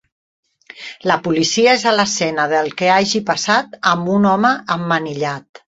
La policia és a l'escena del que hagi passat amb un home emmanillat.